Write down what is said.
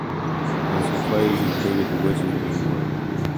His plays included "The Witches of New York".